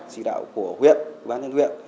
chỉ đạo của huyện ban nhân huyện